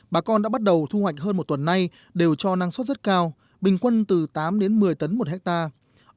bà con đã bắt đầu thu hoạch hơn một tuần nay đều cho năng suất rất cao bình quân từ tám đến một mươi tấn một hectare